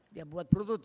dia buat produk